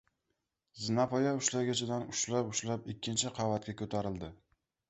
Zinapoya ushlagichidan ushlab-ushlab, ikkinchi qavatga ko‘tarildi.